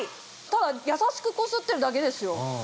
ただやさしくこすってるだけですよ。